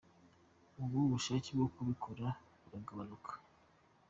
Ese ubushake bwo kubikora buragabanuka ?.